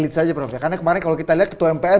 menit saja prof ya karena kemarin kalau kita lihat ketua mpr